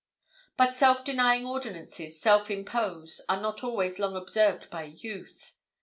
But self denying ordinances self imposed are not always long observed by youth.